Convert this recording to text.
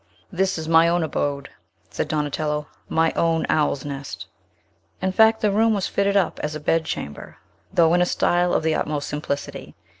"This is my own abode," said Donatello; "my own owl's nest." In fact, the room was fitted up as a bedchamber, though in a style of the utmost simplicity.